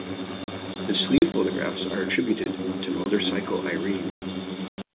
The sleeve photographs are attributed to Motorcycle Irene.